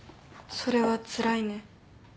それはつらいね。